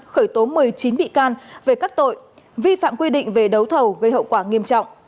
khởi tố một mươi chín bị can về các tội vi phạm quy định về đấu thầu gây hậu quả nghiêm trọng